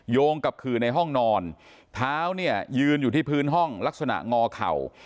งกับขื่อในห้องนอนเท้าเนี่ยยืนอยู่ที่พื้นห้องลักษณะงอเข่า